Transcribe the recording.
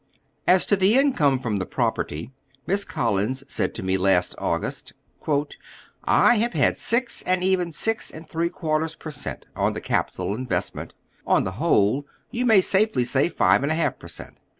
As to the income from tlie praperty, Miss Collins said to me last August :" I have had six and even six and three quarters per cent, on the capital in vested ; on the whole, you may safely say five and a half per cent.